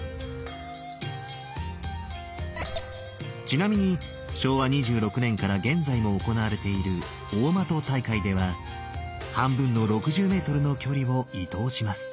ちなみに昭和２６年から現在も行われている大的大会では半分の６０ｍの距離を射通します。